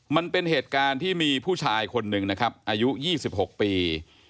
มันเป็นเหตุการณ์ที่มีผู้ชายคนหนึ่งนะครับอายุ๒๖ปี